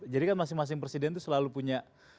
jadi kan masing masing presiden itu selalu punya